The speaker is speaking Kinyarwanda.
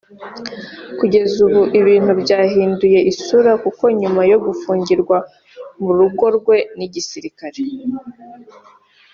Kugeza ubu ibintu byahinduye isura kuko nyuma yo gufungirwa mu rugo rwe n’igisirikare